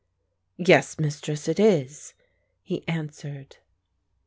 "Yes, Mistress, it is," he answered.